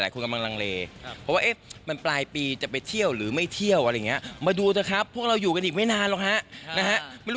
คาวว่ามันปลายปีจะไปเที่ยวหรือไม่เที่ยวอะไรอย่างเนี้ย